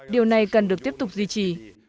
điều này cần được tiếp tục duy trì